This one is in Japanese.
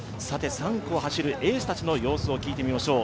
３区を走るエースたちの様子を聞いてみましょう。